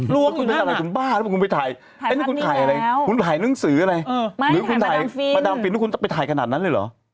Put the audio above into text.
ล้วงอยู่นั่นค่ะถ้าคุณไปถ่ายคุณถ่ายอะไรคุณถ่ายหนึ่งสืออะไรหรือคุณถ่ายประดับฟินถ้าคุณจะไปถ่ายขนาดนั้นเลยเหรอ